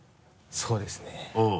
そうですね。